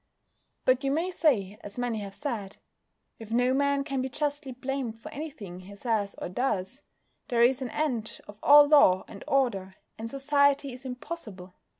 But you may say, as many have said: "If no man can be justly blamed for anything he says or does, there is an end of all law and order, and society is impossible."